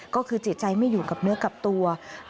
ก็คือจิตใจไม่อยู่กับเนื้อกับตัว